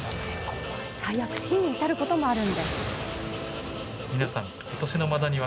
最悪、死に至ることもあるんです。